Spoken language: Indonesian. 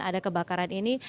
ada kebakaran ini